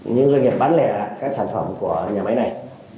những doanh nghiệp bán lẻ các sản phẩm của nhà máy này